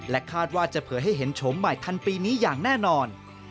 คาดว่าจะเผยให้เห็นโฉมใหม่ทันปีนี้อย่างแน่นอน